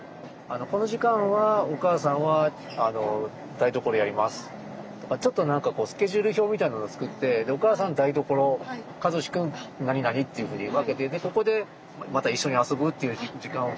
この時間はお母さんは台所やりますとかちょっと何かこうスケジュール表みたいなのを作ってお母さんは台所和志くん何々っていうふうに分けてでここでまた一緒に遊ぶっていう時間を決めて。